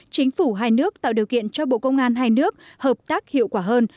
chính phủ hai nước tạo điều kiện cho bộ công an hai nước hợp tác hiệu quả hơn